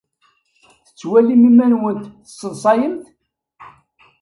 Tettwalimt iman-nwent tesseḍsayemt?